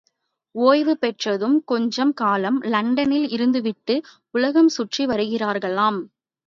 ஒய்வு பெற்றதும் கொஞ்ச காலம் லண்டனில் இருந்துவிட்டு உலகம் சுற்றி வருகிறார்களாம்.